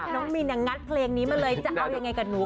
มินงัดเพลงนี้มาเลยจะเอายังไงกับหนู